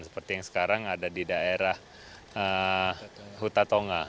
seperti yang sekarang ada di daerah huta tonga